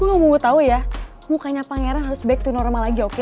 lu mau gue tau ya mukanya pangeran harus back to normal lagi oke